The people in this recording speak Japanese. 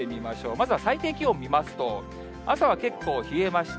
まずは最低気温見ますと、朝は結構冷えました。